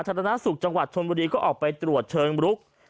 ชมนาศุกร์จังหวัดชวนบุรีก็ออกไปตรวจเชิยมรุก